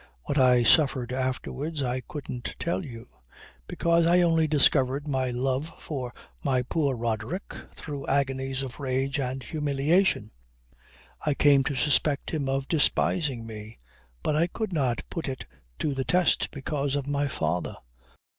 What I suffered afterwards I couldn't tell you; because I only discovered my love for my poor Roderick through agonies of rage and humiliation. I came to suspect him of despising me; but I could not put it to the test because of my father.